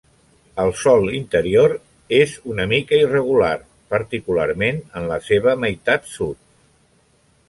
El sòl interior és una mica irregular, particularment en la seva meitat sud.